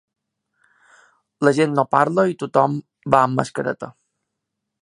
La gent no parla i tothom va amb mascareta.